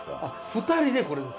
２人でこれ。